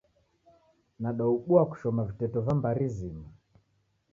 Nadaobua kushoma viteto va mbari zima.